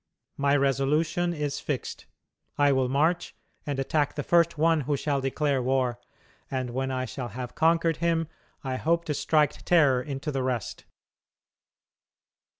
My resolution is fixed. I will march and attack the first one who shall declare war; and when I shall have conquered him, I hope to strike terror into the rest."